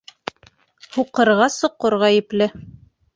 Һуҡырға соҡор ғәйепле.